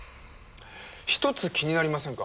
１つ気になりませんか？